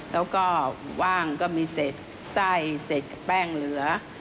แล้วก็ว่างก็มีเศษไส้เสร็จแป้งเหลือ